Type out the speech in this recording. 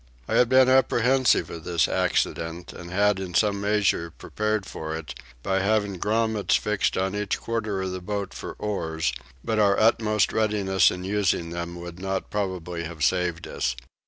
I had been apprehensive of this accident, and had in some measure prepared for it, by having grummets fixed on each quarter of the boat for oars; but our utmost readiness in using them would not probably have saved us.